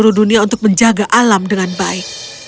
kau akan menjaga alam dengan baik